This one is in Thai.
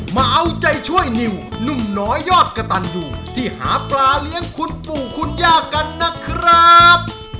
มาเอาใจช่วยนิวหนุ่มน้อยยอดกระตันอยู่ที่หาปลาเลี้ยงคุณปู่คุณย่ากันนะครับ